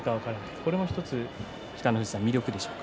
これも北の富士さん魅力でしょうか。